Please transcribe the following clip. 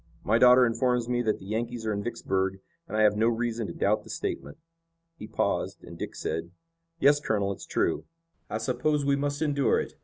My daughter informs me that the Yankees are in Vicksburg, and I have no reason to doubt the statement." He paused, and Dick said: "Yes, Colonel, it's true." "I suppose we must endure it.